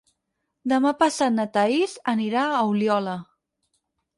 Demà passat na Thaís anirà a Oliola.